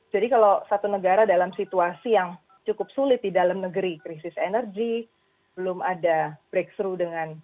jadi kalau satu negara dalam situasi yang cukup sulit di dalam negeri krisis energi belum ada breakthrough dengan eropa